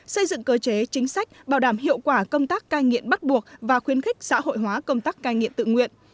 xây dựng cơ chế chính sách bảo đảm hiệu quả công tác cai nghiện bắt buộc và khuyến khích xã hội hóa công tác cai nghiện tự nguyện